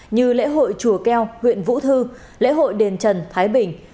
như lễ hội chùa keo huyện vũ thư lễ hội đền trần thái bình